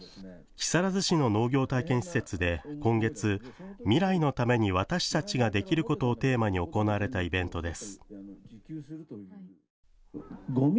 木更津市の農業体験施設で今月、未来のために私たちができることをテーマに行われたイベントです。